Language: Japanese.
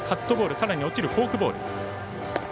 さらに、落ちるフォークボール。